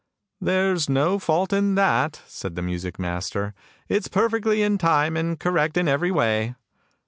" There is no fault in that," said the music master; "it is perfectly in time and correct in every way!